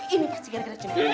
ini pasti gara gara coba